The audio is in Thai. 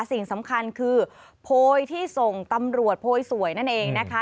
สิ่งสำคัญคือโพยที่ส่งตำรวจโพยสวยนั่นเองนะคะ